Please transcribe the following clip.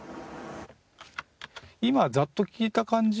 今ざっと聴いた感じ